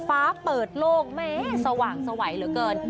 ฟ้าเปิดโล่งแม่สว่างสวัยเหลือเกิน